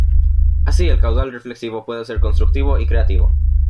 Así, el caudal reflexivo puede ser Constructivo y Creativo.